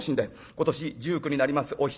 『今年１９になりますお久』